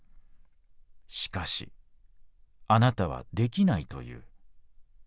しかしあなたはできないと言う。